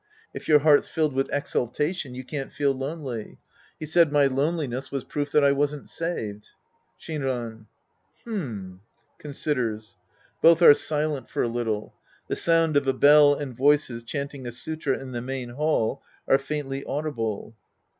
If your heart's filled with exultation, you can't feel lonely. He said my loneli ness was proof that I wasn't saved. Shinran. H'm. {Considers.) {Both are silent for a little. Tlie sound of a bell and voices chanting a sulfa in the main hall are faintly audible.)